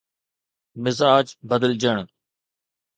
مزاج بدلجڻ